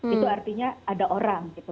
itu artinya ada orang gitu